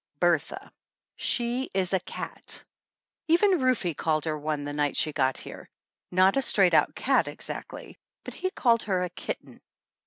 Bertha, she is a cat! Even Rufe called her one the night she got here. Not a straight out cat, exactly, but he called her a kitten